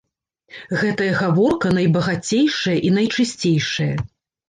Гэтая гаворка найбагацейшая і найчысцейшая.